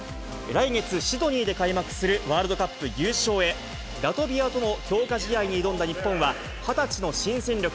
来月、シドニーで開幕するワールドカップ優勝へ、ラトビアとの強化試合に挑んだ日本は、２０歳の新戦力、